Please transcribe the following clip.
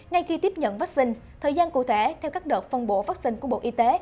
ngay khi tiếp nhận vaccine thời gian cụ thể theo các đợt phân bổ vaccine của bộ y tế